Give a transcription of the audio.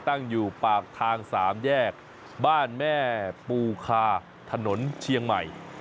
ตั้งอยู่ปากทาง๓แยกบ้านแม่ปูคาถนนเชียงใหม่